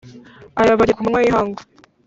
Aya bagira ku manywa y'ihangu